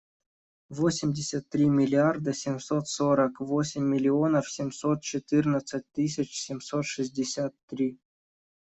Восемьдесят три миллиарда семьсот сорок восемь миллионов семьсот четырнадцать тысяч семьсот шестьдесят три.